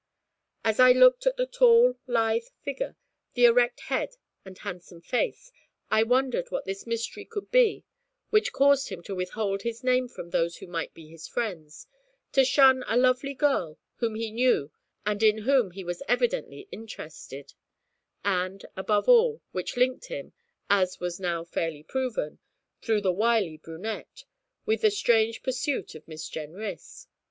As I looked at the tall, lithe figure, the erect head and handsome face, I wondered what this mystery could be which caused him to withhold his name from those who might be his friends; to shun a lovely girl whom he knew and in whom he was evidently interested; and, above all, which linked him, as was now fairly proven, through the wily brunette, with the strange pursuit of Miss Jenrys.